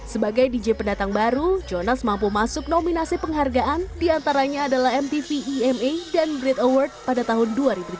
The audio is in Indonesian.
sebagai dj pendatang baru jonas mampu masuk nominasi penghargaan diantaranya adalah mtv ema dan great award pada tahun dua ribu tujuh belas